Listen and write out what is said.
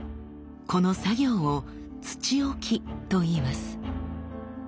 この作業を土置きといいます。